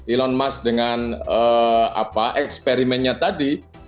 elon musk dengan eksperimennya tadi